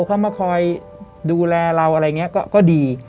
เขามาคอยดูแลเราอะไรเงี้ยก็ดี